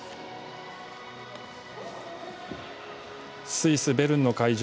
スイス・ベルンの会場。